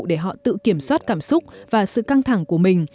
để họ tự kiểm soát cảm xúc và sự căng thẳng của mình